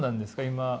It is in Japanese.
今。